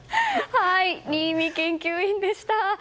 新美研究員でした。